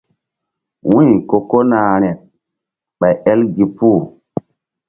Wu̧y ko kona rȩɗ ɓay el gi puh.